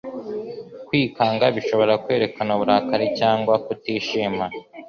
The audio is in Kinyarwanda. Kwikanga bishobora kwerekana uburakari cyangwa kutishima.